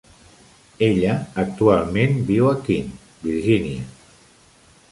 Ella actualment viu a Keene, Virgínia.